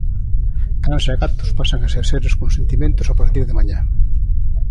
Cans e gatos pasan a ser seres con sentimentos a partir de mañá.